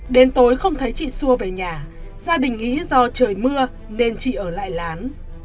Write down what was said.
đến tối không thấy chị xua về nhà gia đình nghĩ do trời mưa nên chị ở lại lán